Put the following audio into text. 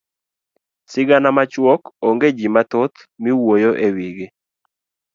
sigana machuok onge jii mathoth miwuyo ewigi.